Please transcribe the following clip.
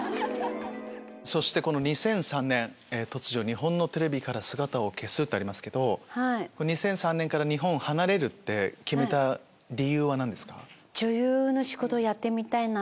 そして２００３年「突如日本のテレビから姿を消す」とありますけど２００３年から日本を離れるって決めた理由は何ですか？